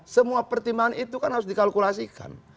semua pertimbangan itu kan harus dikalkulasikan